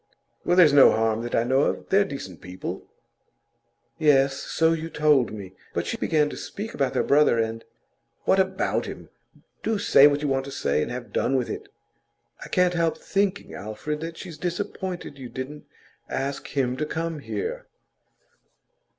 'Well, there's no harm that I know of. They're decent people.' 'Yes; so you told me. But she began to speak about their brother, and ' 'What about him? Do say what you want to say, and have done with it!' 'I can't help thinking, Alfred, that she's disappointed you didn't ask him to come here.